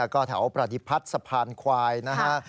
ก็แถวประดิพัฒน์สะพานควายนะฮะ